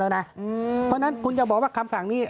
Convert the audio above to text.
เพราะฉะนั้นคุณจะบอกว่าคำสั่งนี้